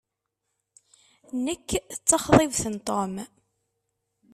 Nekk d taxḍibt n Tom.